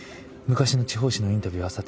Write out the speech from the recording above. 昔の地方紙のインタビュー